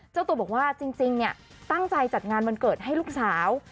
เจ้าตัวบอกว่าจริงเนี่ยตั้งใจจัดงานวันเกิดให้ลูกสาว